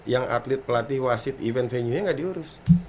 yang atlet pelatih wasit event venue nya nggak diurus